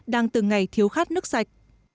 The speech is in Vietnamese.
đang từng ngày thiếu khát nước sạch